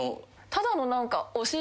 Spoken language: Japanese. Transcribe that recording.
ただの何か。